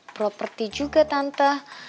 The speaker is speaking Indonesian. properti juga tante